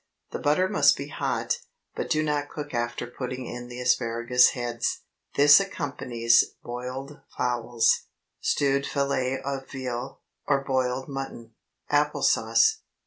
The butter must be hot, but do not cook after putting in the asparagus heads. This accompanies boiled fowls, stewed fillet of veal, or boiled mutton. APPLE SAUCE.